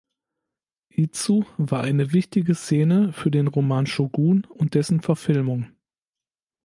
Izu war eine wichtige Szene für den Roman "Shogun" und dessen Verfilmung.